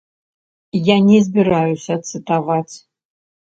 Я не збіраюся цытаваць.